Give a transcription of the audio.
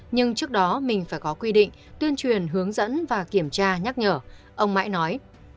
nhưng trước đó mình phải có quy định tuyên truyền hướng dẫn và kiểm tra nhắc nhở ông mãi nói